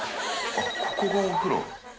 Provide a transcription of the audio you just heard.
あっここがお風呂。